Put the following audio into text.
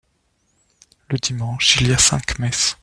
Le dimanche, il y a cinq messes.